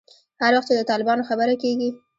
هر وخت چې د طالبانو خبره کېږي.